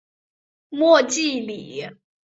莫济里。